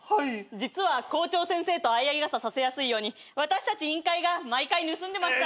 実は校長先生と相合い傘させやすいように私たち委員会が毎回盗んでました。